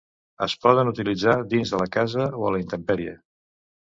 Es poden utilitzar dins de la casa o a la intempèrie.